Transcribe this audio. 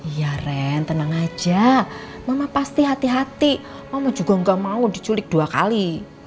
iya ren tenang aja mama pasti hati hati mama juga gak mau diculik dua kali